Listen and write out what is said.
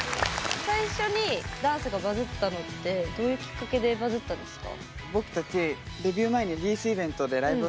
最初にダンスがバズったのってどういうきっかけでバズったんですか？